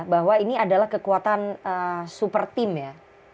bahwa ini adalah kekuatan super team ya